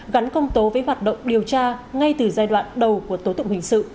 gắn công tố với hoạt động điều tra ngay từ giai đoạn đầu của tố tụng hình sự